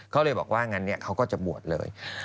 เขาเลยบอกว่างั้นเขาก็จะบวชเลย